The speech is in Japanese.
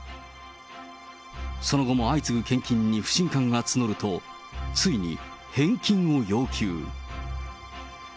その後も相次ぐ献金に不信感が募ると、ついに返金を要求。